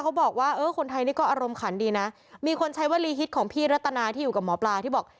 บอกว่าเออคนไทยนี่ก็อารมณ์ขันดีนะมีคนใช้วลีฮิตของพี่รัตนาที่อยู่กับหมอปลาที่บอก